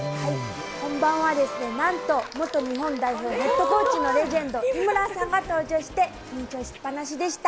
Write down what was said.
本番はなんと元日本代表ヘッドコーチのレジェンド、井村さんが登場して、緊張しっぱなしでした。